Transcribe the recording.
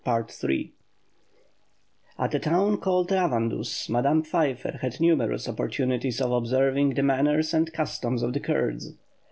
At a town called Ravandus, Madame Pfeiffer had numerous opportunities of observing the manners and customs of the Kurds.